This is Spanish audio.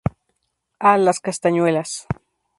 Ah, las castañuelas.